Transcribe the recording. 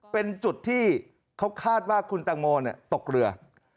เป็นจุดที่เขาคาดว่าคุณตังโมตกเรือ